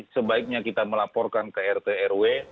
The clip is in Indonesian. sebaiknya kita melaporkan ke rt rw